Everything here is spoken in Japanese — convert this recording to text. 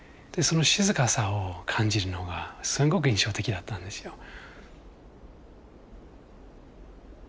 でその静かさを感じるのがすごく印象的だったんですよ。